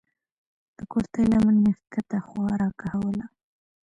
د کورتۍ لمن مې کښته خوا راکښوله.